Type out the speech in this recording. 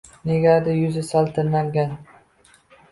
Negadir yuzi sal tirnalgan...